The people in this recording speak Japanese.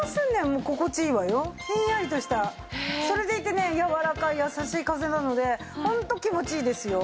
ひんやりとしたそれでいてねやわらかい優しい風なのでホント気持ちいいですよ。